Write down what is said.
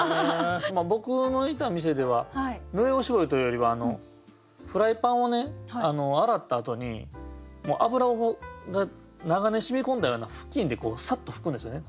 僕のいた店では濡れおしぼりというよりはフライパンを洗ったあとに油が長年染み込んだような布巾でサッと拭くんですよね。